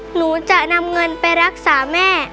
หนูจะนำเงินไปรักษาแม่